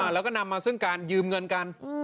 แล้วก็นำมาซึ่งการยืมเงินกัน